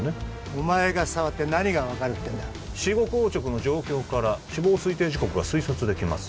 お前が触って何が分かるってんだ死後硬直の状況から死亡推定時刻が推察できます